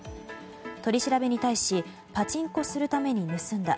取り調べに対しパチンコするために盗んだ。